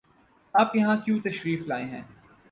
آپ یہاں کیوں تشریف لائے ہیں؟